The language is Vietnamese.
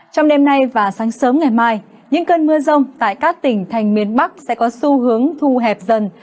trong đêm nay và sáng sớm ngày mai những cơn mưa rông tại các tỉnh thành miền bắc sẽ có xu hướng thu hẹp dần